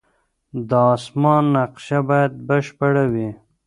د اسمان نقشه باید بشپړه وي.